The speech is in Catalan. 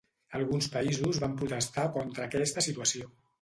Alguns països van protestar contra aquesta situació.